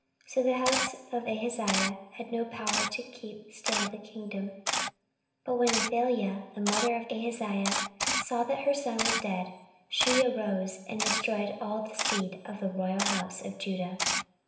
So the house of Ahaziah had no power to keep still the kingdom. 14:022:010 But when Athaliah the mother of Ahaziah saw that her son was dead, she arose and destroyed all the seed royal of the house of Judah.